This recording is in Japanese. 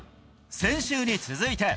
先週に続いて。